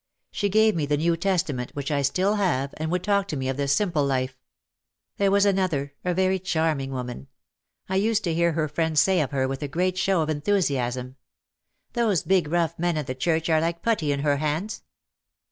She gave me the New Testament, which I still have, and would talk to me of the "Simple Life." There was another, a very charming woman. I used to hear her friends say of her with a great show of enthusiasm: "Those big rough men at the church are like putty in her hands."